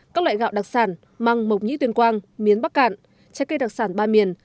các loại gạo đặc sản măng mộc nhĩ tuyên quang miến bắc cạn trái cây đặc sản ba miền